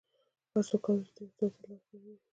هر څوک کولی شي د یو استاد تر لاس لاندې وي